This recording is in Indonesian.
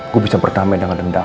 gue bisa berdamai dengan dendam